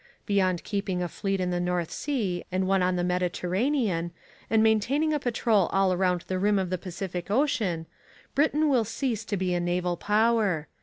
Beyond keeping a fleet in the North Sea and one on the Mediterranean, and maintaining a patrol all round the rim of the Pacific Ocean, Britain will cease to be a naval power.